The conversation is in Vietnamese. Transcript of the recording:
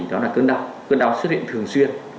đó là cơn đau cơn đau xuất hiện thường xuyên